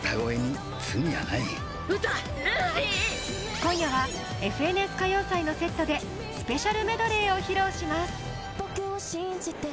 今夜は「ＦＮＳ歌謡祭」のセットでスペシャルメドレーを披露します。